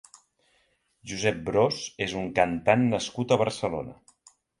Josep Bros és un cantant nascut a Barcelona.